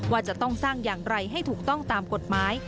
ว่าจะต้องสร้างอย่างไรให้ถูกต้องตามกฎหมาย